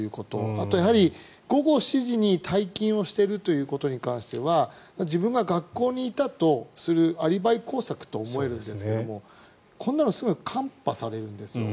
あと、やはり午後７時に退勤をしているということに関しては自分が学校にいたとするアリバイ工作と思えるんですけどこんなのすぐ看破されるんですよ。